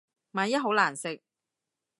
萬一好難食